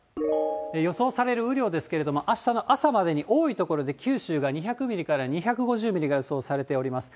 予想される雨量ですけれども、あしたの朝までに、多い所で九州が２００ミリから２５０ミリが予想されています。